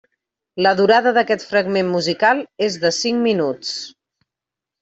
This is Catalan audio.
La durada d'aquest fragment musical és de cinc minuts.